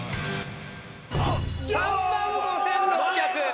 ３万５６００！